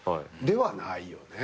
ではないよね。